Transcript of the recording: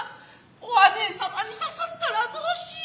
お姉様に刺さつたら何うしよう。